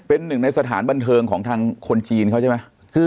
เป็นหนึ่งในสถานบันเทิงของทางคนจีนเขาใช่ไหม